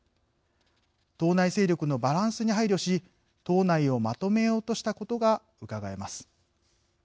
党内勢力のバランスに配慮し党内をまとめようとしたことがうかがえます。